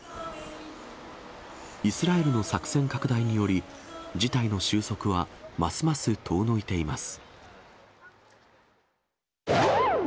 イスラエルの作戦拡大により、事態の収束はますます遠のいています。